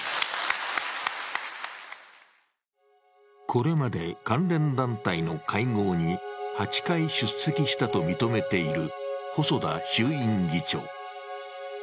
これまで関連団体の会合に８回出席したと認めている細田衆院議長。